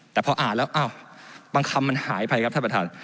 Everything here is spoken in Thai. แต่พออ่านแล้วอ้าวบางคำมันหายไปครับท่านประธาน